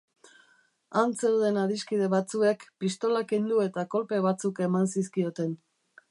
Han zeuden adiskide batzuek pistola kendu eta kolpe batzuk eman zizkioten.